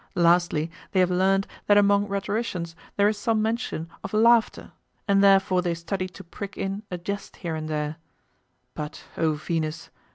Lastly, they have learned that among rhetoricians there is some mention of laughter, and therefore they study to prick in a jest here and there; but, O Venus!